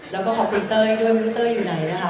แล้วก็ขอบคุณเตยด้วยคุณเตยอยู่ไหนนะคะ